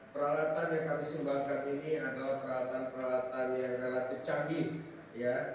peralatan yang kami sumbangkan ini adalah peralatan peralatan yang relatif canggih ya